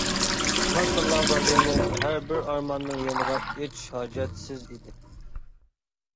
ئىخلاس تاللا بازىرىنى ھەربىر ئارماننىڭ يېنىغا ئېچىش ھاجەتسىز ئىدى.